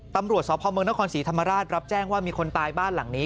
ตำรวจสพเมืองนครศรีธรรมราชรับแจ้งว่ามีคนตายบ้านหลังนี้